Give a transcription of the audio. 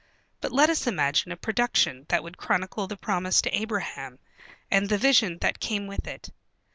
But let us imagine a production that would chronicle the promise to Abraham, and the vision that came with it.